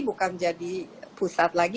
bukan jadi pusat lagi